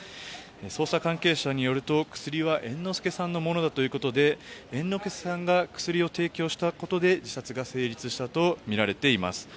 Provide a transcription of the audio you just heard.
捜査関係者によると、薬は猿之助さんのものだということで猿之助さんが薬を提供したことで自殺が成立したとみられています。